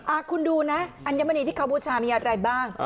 คุณดูนะอัญมณีที่เขาบูชามีอะไรบ้าง